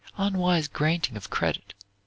unwise granting of credit, 3.